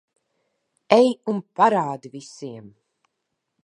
Ej un parādi visiem.